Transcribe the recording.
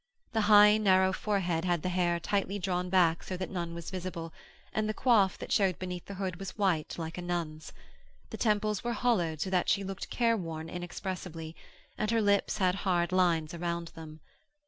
The high, narrow forehead had the hair tightly drawn back so that none was visible, and the coif that showed beneath the hood was white, like a nun's; the temples were hollowed so that she looked careworn inexpressibly, and her lips had hard lines around them.